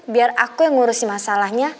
biar aku yang ngurusi masalahnya